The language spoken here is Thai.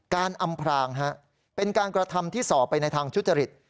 อำพรางเป็นการกระทำที่ส่อไปในทางทุจริต